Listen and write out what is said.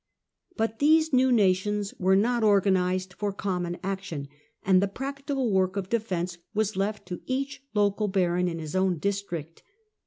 But these new nations were not organised for common Growth of action, and the practical work of defence was left to each local baron in his own district.